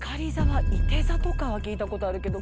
射手座とかは聞いたことあるけど。